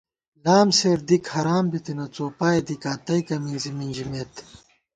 لام سیر دِک حرام بِتَنہ څوپائے دِکا تئیکہ مِنزی مِنجِمېت